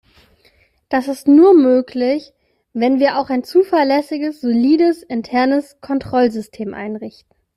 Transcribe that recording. Das ist nur möglich, wenn wir auch ein zuverlässiges, solides, internes Kontrollsystem einrichten.